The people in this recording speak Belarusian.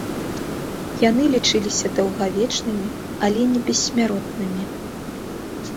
Яны лічыліся даўгавечнымі, але не бессмяротнымі.